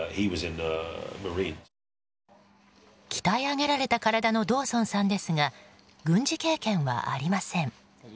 鍛え上げられた体のドーソンさんですが軍事経験はありません。